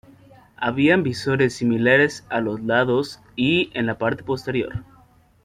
Habían visores similares a los lados y en la parte posterior.